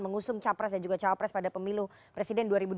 mengusung capres dan juga cawapres pada pemilu presiden dua ribu dua puluh